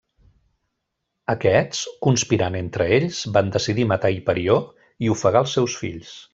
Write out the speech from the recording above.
Aquests, conspirant entre ells, van decidir matar Hiperió i ofegar els seus fills.